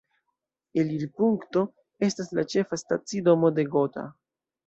Elirpunkto estas la ĉefa stacidomo de Gotha.